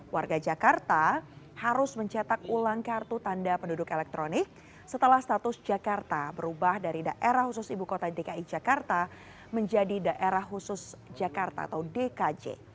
warga jakarta harus mencetak ulang kartu tanda penduduk elektronik setelah status jakarta berubah dari daerah khusus ibu kota dki jakarta menjadi daerah khusus jakarta atau dkj